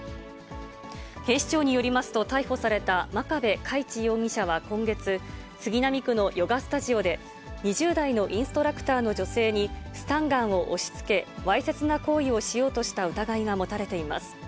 警視庁によりますと、逮捕された真壁佳一容疑者は今月、杉並区のヨガスタジオで、２０代のインストラクターの女性にスタンガンを押しつけ、わいせつな行為をしようとした疑いが持たれています。